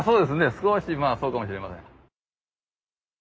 少しまあそうかもしれません。